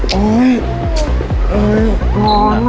ไม่ต้องกลับมาที่นี่